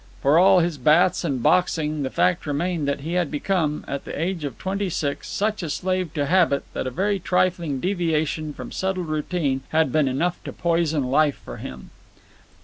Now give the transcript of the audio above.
For all his baths and boxing, the fact remained that he had become, at the age of twenty six, such a slave to habit that a very trifling deviation from settled routine had been enough to poison life for him.